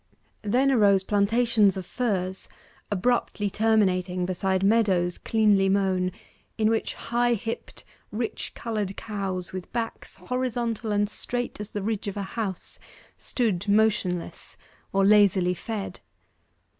Then arose plantations of firs, abruptly terminating beside meadows cleanly mown, in which high hipped, rich coloured cows, with backs horizontal and straight as the ridge of a house, stood motionless or lazily fed.